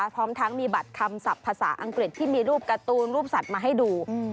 พร้อมทั้งมีบัตรคำศัพท์ภาษาอังกฤษที่มีรูปการ์ตูนรูปสัตว์มาให้ดู